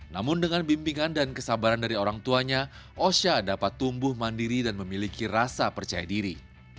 namun dengan bimbingan dan kesabaran dari orang tuanya osha dapat tumbuh mandiri dan memiliki rasa percaya diri